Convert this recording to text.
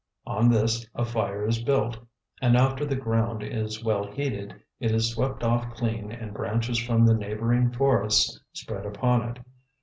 On this a fire is built, and after the ground is well heated, it is swept off clean and branches from the neighboring forests spread upon it.